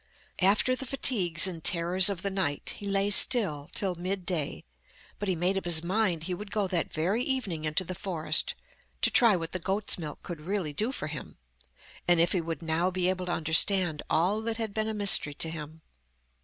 After the fatigues and terrors of the night, he lay still till mid day, but he made up his mind he would go that very evening into the forest to try what the goats' milk could really do for him, and if he would now be able to understand all that had been a mystery to him.